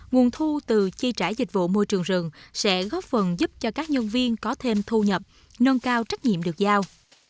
nguồn thu từ chi trả dịch vụ môi trường rừng sẽ góp phần giúp cho các nhân viên có thêm thu nhập nâng cao trách nhiệm được giao